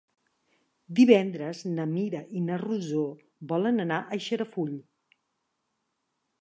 Divendres na Mira i na Rosó volen anar a Xarafull.